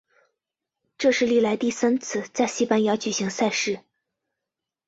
这是历来第三次在西班牙举行赛事。